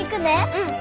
うん。